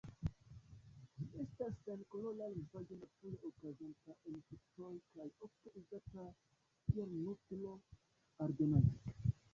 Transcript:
Ĝi estas senkolora likvaĵo nature okazanta en fruktoj kaj ofte uzata kiel nutro-aldonaĵo.